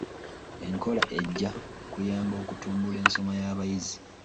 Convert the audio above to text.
Enkola ejja kuyamba okutumbula ensoma y'abayizi.